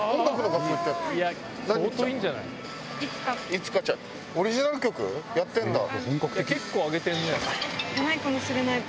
五花ちゃんオリジナル曲やってんだ。